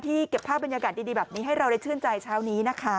เก็บภาพบรรยากาศดีแบบนี้ให้เราได้ชื่นใจเช้านี้นะคะ